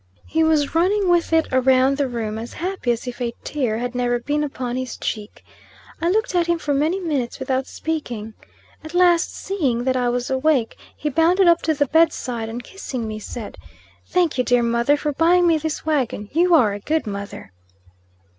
He was running with it around the room, as happy as if a tear had never been upon his cheek. I looked at him for many minutes without speaking. At last, seeing that I was awake, he bounded up to the bedside, and, kissing me, said: "Thank you, dear mother, for buying me this wagon! You are a good mother!"